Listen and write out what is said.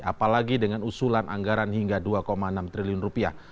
apalagi dengan usulan anggaran hingga dua enam triliun rupiah